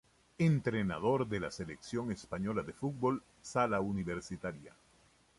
Entrenador de la Selección española de fútbol sala universitaria.